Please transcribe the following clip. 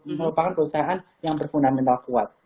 ini merupakan perusahaan yang berfundamental kuat